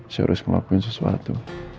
saya harus ngelakuin sesuatu